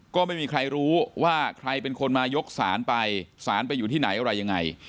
ก็ไม่มีใครรู้ว่าใครเป็นคนมายกสารไปสารไปอยู่ที่ไหนอะไรยังไง